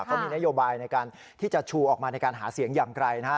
เขามีนโยบายในการที่จะชูออกมาในการหาเสียงอย่างไกลนะฮะ